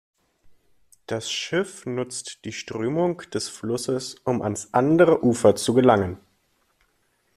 Das Schiff nutzt die Strömung des Flusses, um ans andere Ufer zu gelangen.